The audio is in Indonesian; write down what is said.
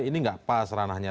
ini enggak pas ran ahnya